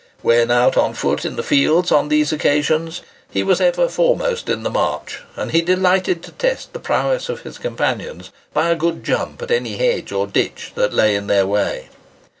When out on foot in the fields, on these occasions, he was ever foremost in the march; and he delighted to test the prowess of his companions by a good jump at any hedge or ditch that lay in their way.